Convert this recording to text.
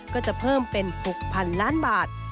ก็จะเพิ่มเป็น๖๐๐๐ล้านบาท